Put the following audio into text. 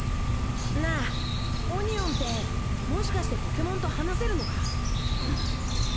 なあオニオンってもしかしてポケモンと話せるのか？